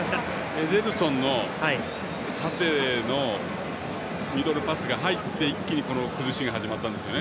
エデルソンの縦のミドルパスが入って一気に崩しが始まったんですよね。